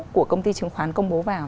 của công ty chứng khoán công bố vào